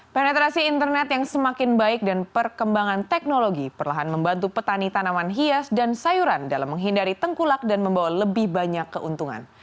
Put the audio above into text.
penetrasi internet yang semakin baik dan perkembangan teknologi perlahan membantu petani tanaman hias dan sayuran dalam menghindari tengkulak dan membawa lebih banyak keuntungan